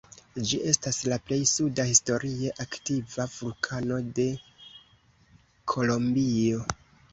Ĝi estas la plej suda historie aktiva vulkano de Kolombio.